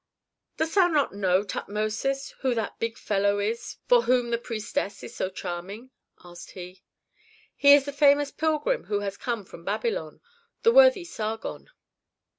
"Dost thou not know, Tutmosis, who that big fellow is for whom the priestess is so charming?" asked he. "He is that famous pilgrim who has come from Babylon, the worthy Sargon."